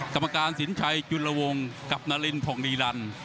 กรรมการสินชัยจุลวงกับนารินผ่องรีรัน